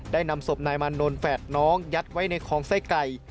นำศพนายมานนท์แฝดน้องยัดไว้ในคลองไส้ไก่